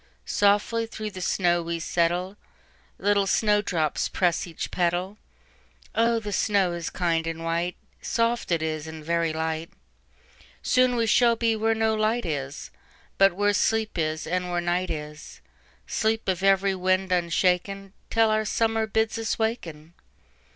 "Softly through the snow we settle, Little snow drops press each petal. Oh, the snow is kind and white,—Soft it is, and very light; Soon we shall be where no light is, But where sleep is, and where night is,—Sleep of every wind unshaken, Till our Summer bids us waken."